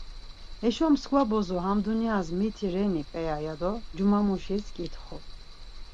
Heşo mskva bozo ham dunyas miti ren-i p̌eya ya do cumamuşis ǩitxu.